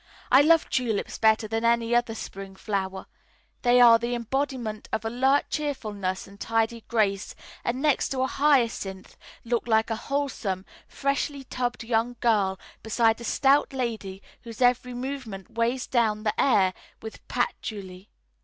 I love tulips better than any other spring flower; they are the embodiment of alert cheerfulness and tidy grace, and next to a hyacinth look like a wholesome, freshly tubbed young girl beside a stout lady whose every movement weighs down the air with patchouli.